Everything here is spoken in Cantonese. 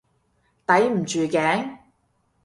抵唔住頸？